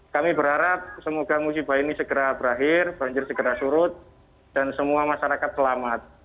kami berharap semoga musibah ini segera berakhir banjir segera surut dan semua masyarakat selamat